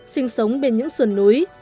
sinh sống bên những sườn núi